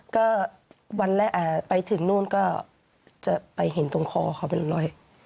ก็วันแรกไปถึงนู่นก็จะไปเห็นตรงคอเขาเป็นรอย